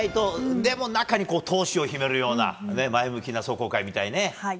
でも中に闘志を秘めるような前向きな壮行会が見たいね。